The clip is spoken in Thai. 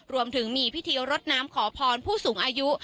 รวมถึงมีพิธีรดน้ำขอพรผู้สูงอายุ